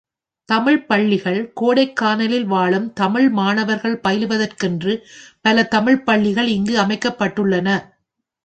தமிழ்ப் பள்ளிகள் கோடைக்கானலில் வாழும் தமிழ் மாணவர்கள் பயிலுவதற்கென்று பல தமிழ்ப் பள்ளிகள் இங்கு அமைக்கப்பட்டுள்ளன.